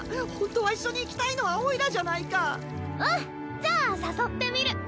うんじゃあ誘ってみる。